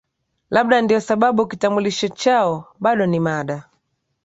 Labda ndio sababu kitambulisho chao bado ni mada